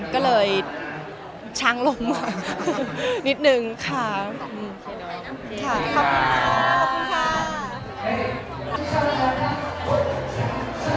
ก็เลยช้างลงมานิดนึงค่ะขอบคุณค่ะ